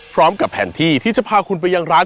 พร้อมกับแผนที่ที่จะพาคุณไปยังร้าน